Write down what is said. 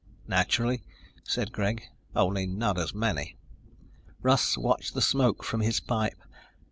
"Naturally," said Greg, "only not as many." Russ watched the smoke from his pipe.